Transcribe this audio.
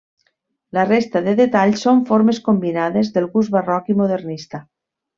La resta de detalls són formes combinades de gust barroc i modernista.